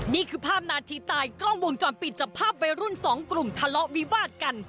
นี่คือภาพนาทีตายกล้องวงจรปิดจับภาพวัยรุ่นสองกลุ่มทะเลาะวิวาดกัน